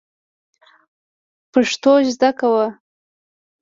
پښتو زده کوو